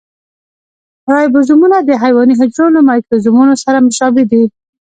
رایبوزومونه د حیواني حجرو له مایکروزومونو سره مشابه دي.